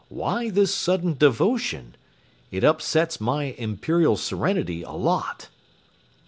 "Why this sudden devotion? It upsets my Imperial Serenity a lot."